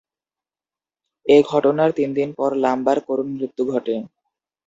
এ ঘটনার তিনদিন পর লাম্বা’র করুণ মৃত্যু ঘটে।